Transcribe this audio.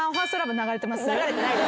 流れてないです。